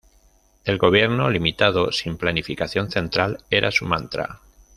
El gobierno limitado, sin planificación central, era su mantra.